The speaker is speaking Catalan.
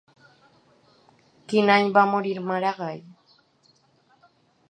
Quin any va morir Maragall?